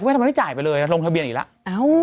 คุณแม่ทำไมไม่ได้จ่ายไปเลยลงทะเบียนอีกแล้ว